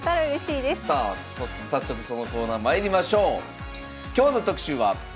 さあ早速そのコーナーまいりましょう。